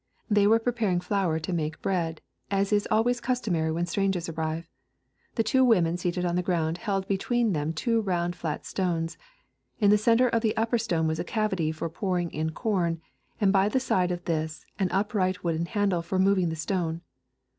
They were preparing flour to make bread, as is always customary when strangers arrive. The two women seated on the ground held between them two round flat stones. In the centre of the upper stone was a cavity for pouring in com, and by the side of this an upright wooden handle for moving the stone.